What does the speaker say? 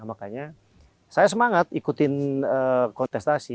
makanya saya semangat ikutin kontestasi